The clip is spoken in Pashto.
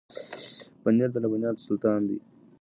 پنېر د لبنیاتو سلطان دی.